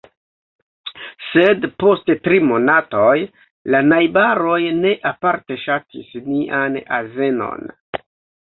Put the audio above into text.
Sed, post tri monatoj, la najbaroj ne aparte ŝatis nian azenon.